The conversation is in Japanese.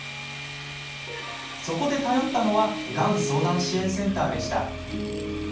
そこで頼ったのはがん相談支援センターでした。